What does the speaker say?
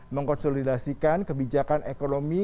mengkonsolidasikan kebijakan ekonomi